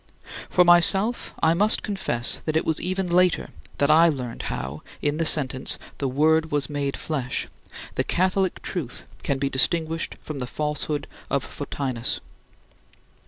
For myself, I must confess that it was even later that I learned how in the sentence, "The Word was made flesh," the Catholic truth can be distinguished from the falsehood of Photinus.